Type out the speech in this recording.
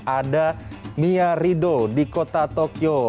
ada mia rido di kota tokyo